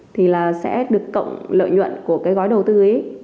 thì là sẽ được cộng lợi nhuận của cái gói đầu tư ấy